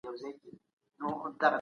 هغه د افغانانو د بریا لپاره هڅې وکړې.